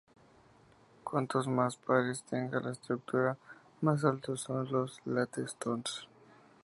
Cuantos más pares tenga la estructura, más altos son los "latte stones".